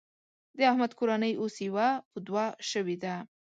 د احمد کورنۍ اوس يوه په دوه شوېده.